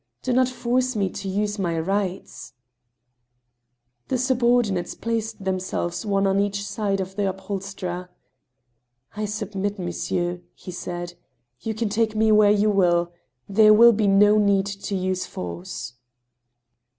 Do not force me to use my rights," THE HAMMER. IO7 The subordinates placed themselves one on each side of the upholsterer. I submit, monsieur," he said ;" you can take me where you will. There will be no need to use force."